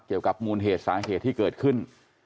เกี่ยวกับมูลเหตุสาเหตุที่เกิดขึ้น